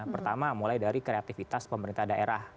pertama mulai dari kreativitas pemerintah daerah